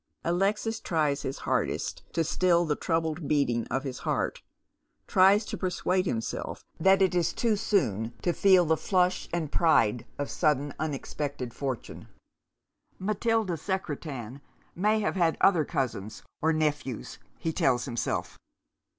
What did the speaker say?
Alexis tries his hardest to still the troubled beating of 1 is heart, tries to persuade himself that it is too soon to feel the flush and pride of sudden unexpected fortune. Matilda Secretan in:iy have had other cousins, or nephews, he tells himself.